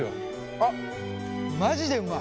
あっマジでうまい。